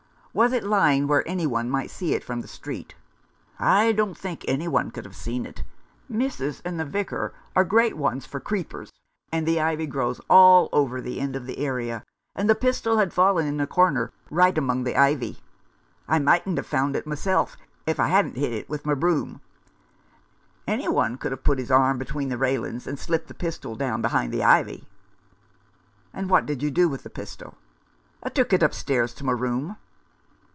"Was it lying where any one might see it from the street ?" "I don't think any one could have seen it. Missus and the Vicar are great ones for creepers, and the ivy grows all over the end of the area, and the pistol had fallen in a corner, right among the ivy. I mightn't have found it myself, if I hadn't 'it it with my broom. Any one could have put his arm between the railings and slipped the pistol down behind the ivy." " What did you do with the pistol ?"" I took it upstairs to my room."